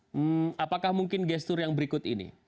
hmm apakah mungkin gestur yang berikut ini